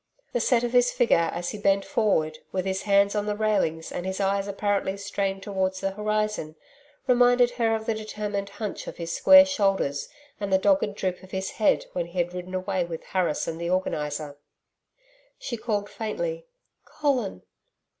The set of his figure as he bent forward, with his hands on the railings and his eyes apparently strained towards the horizon, reminded her of the determined hunch of his square shoulders and the dogged droop of his head when he had ridden away with Harris and the Organizer. She called faintly, 'Colin.'